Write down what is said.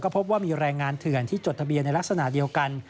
พบว่ามีแรงงานเถื่อนที่จดทะเบียนในลักษณะเดียวกัน